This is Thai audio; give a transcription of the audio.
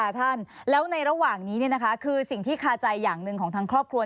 ค่ะท่านแล้วในระหว่างนี้เก่าใจอย่างหนึ่งของทั้งครอบครัว